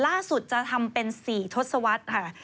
ล่าสุดจะทำเป็น๔ทศวรรษค่ะ